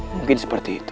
mungkin seperti itu